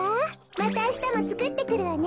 またあしたもつくってくるわね。